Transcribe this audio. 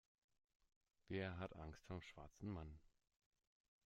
Wer hat Angst vorm schwarzen Mann?